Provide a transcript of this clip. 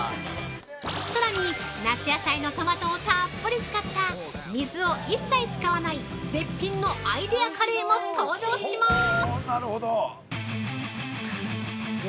さらに、夏野菜のトマトをたっぷり使った水を一切使わない絶品のアイデアカレーも登場します。